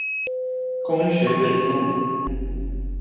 工學北路